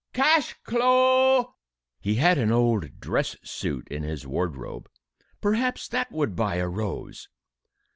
Cash clo'!" He had an old dress suit in his wardrobe. Perhaps that would buy a rose!